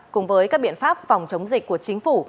cùng với các biện pháp phòng chống dịch của chính phủ